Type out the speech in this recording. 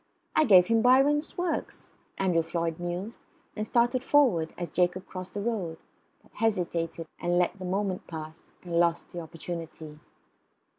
"I gave him Byron's works," Andrew Floyd mused, and started forward, as Jacob crossed the road; but hesitated, and let the moment pass, and lost the opportunity.